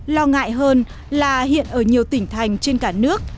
lo ngại hơn là hiện ở nhiều tỉnh thành trên cả nước